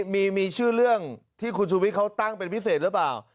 มีชื่อเรื่องที่คุณชูวิทย์เขาตั้งเป็นพิเศษหรือเปล่า